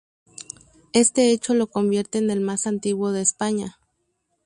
Este hecho lo convierte en el más antiguo de España.